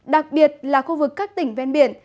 đặc biệt là khu vực các tỉnh ven biển